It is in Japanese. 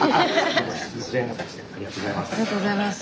ありがとうございます。